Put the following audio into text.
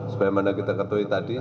sebagaimana kita ketahui tadi